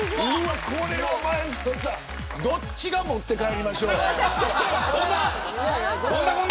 どっちが持って帰りましょう。